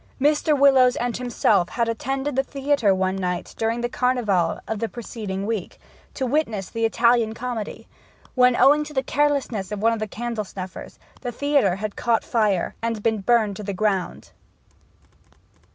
Mr Willowes and himself had attended the theatre one night during the Carnival of the preceding week, to witness the Italian comedy, when, owing to the carelessness of one of the candle snuffers, the theatre had caught fire, and been burnt to the ground.